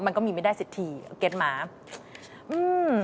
มันก็มีไม่ได้สิทธิเห็นไหม